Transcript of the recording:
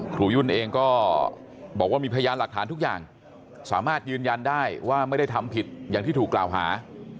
ยุ่นเองก็บอกว่ามีพยานหลักฐานทุกอย่างสามารถยืนยันได้ว่าไม่ได้ทำผิดอย่างที่ถูกกล่าวหา